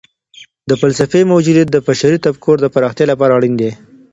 د فلسفې موجودیت د بشري تفکر د پراختیا لپاره اړین دی.